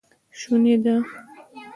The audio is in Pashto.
شونی دی